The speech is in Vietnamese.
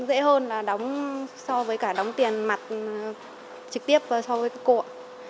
dễ hơn là đóng so với cả đóng tiền mặt trực tiếp và so với cổ